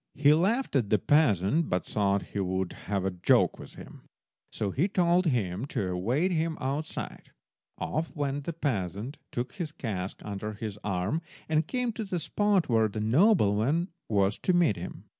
He laughed at the peasant, but thought he would have a joke with him, so he told him to await him outside. Off went the peasant, took his cask under his arm, and came to the spot where the nobleman was to meet him.